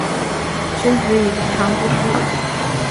君子以自强不息